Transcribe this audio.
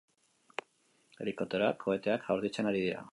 Helikopteroak koheteak jaurtitzen ari dira.